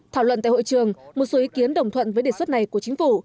thảo luận tại hội trường một số ý kiến đồng thuận với đề xuất này của chính phủ